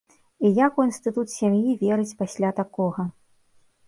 І як у інстытут сям'і верыць пасля такога?